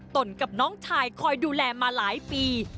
กับน้องชายคอยดูแลมาหลายปี